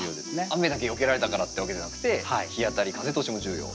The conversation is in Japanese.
雨だけよけられたからってわけでなくて日当たり風通しも重要。